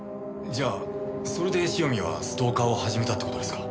じゃあそれで汐見はストーカーを始めたって事ですか？